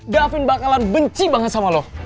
gavin bakalan benci banget sama lo